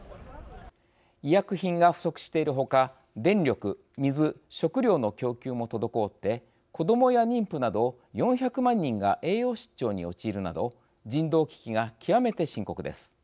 医薬品が不足している他電力、水、食料の供給も滞って子どもや妊婦など４００万人が栄養失調に陥るなど人道危機が極めて深刻です。